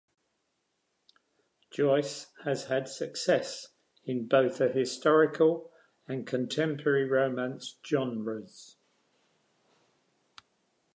Joyce has had success in both the historical and contemporary romance genres.